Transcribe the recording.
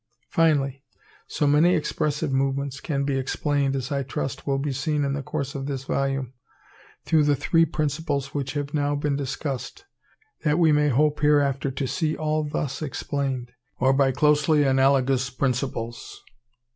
Finally, so many expressive movements can be explained, as I trust will be seen in the course of this volume, through the three principles which have now been discussed, that we may hope hereafter to see all thus explained, or by closely analogous principles.